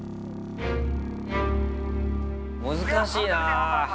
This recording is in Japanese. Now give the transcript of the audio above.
難しいなぁ。